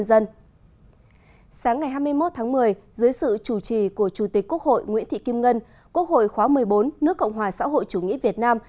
chủ trì của chủ tịch quốc hội nguyễn thị kim ngân quốc hội khóa một mươi bốn nước cộng hòa xã hội chủ nghĩa việt nam